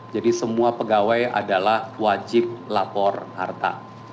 jadi semua pegawai adalah wajib lapor harta